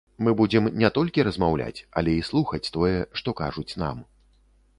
Мы будзем не толькі размаўляць, але і слухаць тое, што кажуць нам.